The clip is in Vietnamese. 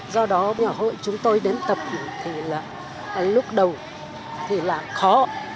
do đó hội chúng tôi đến tập thì là lúc đầu thì là khó